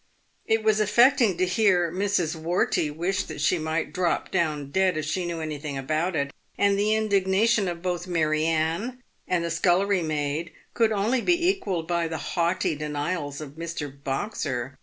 It was affecting to hear Mrs. Wortey wish that she might drop down dead if she knew anything about it, and the indignation of both Mary Anne and the scullery maid could only be equalled by the haughty denials of Mr. Boxer.